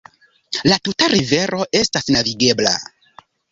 La tuta rivero estas navigebla.